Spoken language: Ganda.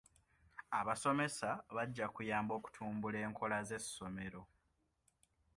Abasomesa bajja kuyamba okutumbula enkola z'essomero.